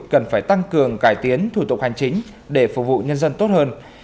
cần phải tăng cường cải tiến thủ tục hành chính để phục vụ nhân dân tốt hơn